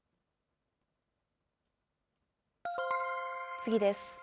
次です。